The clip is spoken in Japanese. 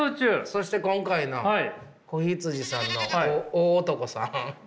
そして今回の子羊さんの大男さん。